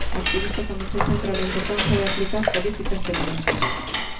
A activista tamén se centra na importancia de aplicar políticas feministas.